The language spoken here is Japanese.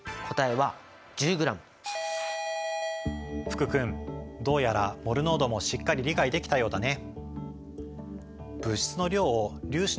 福君どうやらモル濃度もしっかり理解できたようだね。